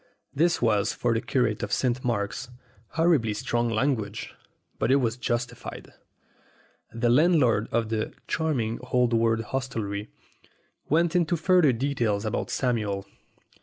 This was, for the curate of St. Mark's, horribly strong language ; but it was justified. The landlord of the "charming old world hostelry" went into further detail about Samuel.